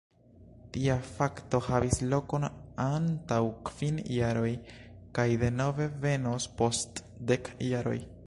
Tia fakto havis lokon antaŭ kvin jaroj kaj denove venos post dek jaroj.